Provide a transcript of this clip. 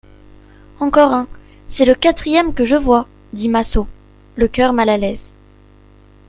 Encore un, c'est le quatrième que je vois, dit Massot, le cœur mal à l'aise.